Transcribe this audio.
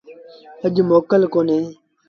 اَڄ موڪل ڪونهي۔